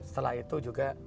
setelah itu juga